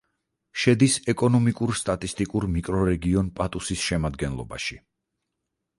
შედის ეკონომიკურ-სტატისტიკურ მიკრორეგიონ პატუსის შემადგენლობაში.